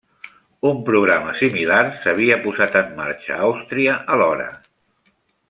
Un programa similar s'havia posat en marxa a Àustria alhora.